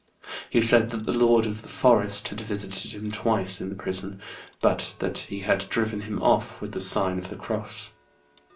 He said that the Lord of the Forest had visited him twice in the prison, but that he had driven him oflf with the sign of the cross.